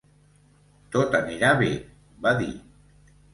Tot anirà bé, va dir.